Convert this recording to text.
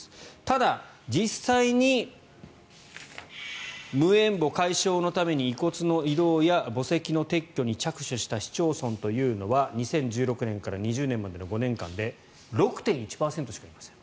ただ、実際に無縁墓解消のために遺骨の移動や墓石の撤去に着手した市町村というのは２０１６年から２０年までの５年間で６．１％しかいません。